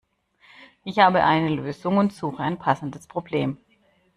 Ich habe eine Lösung und suche ein passendes Problem.